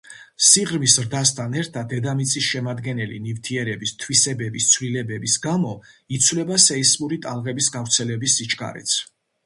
სიღრმის ზრდასთან ერთად დედამიწის შემადგენელი ნივთიერების თვისებების ცვლილების გამო იცვლება სეისმური ტალღების გავრცელების სიჩქარეც.